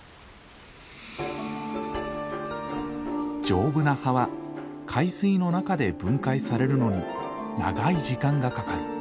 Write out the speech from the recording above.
丈夫な葉は海水の中で分解されるのに長い時間がかかる。